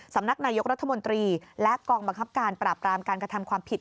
สำนักนายกรัฐมนตรีและกองบังคับการปราบรามการกระทำความผิด